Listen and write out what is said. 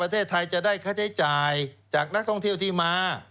ประเทศไทยจะได้ค่าใช้จ่ายจากนักท่องเที่ยวที่มา